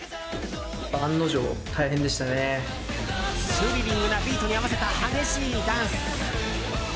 スリリングなビートに合わせた激しいダンス。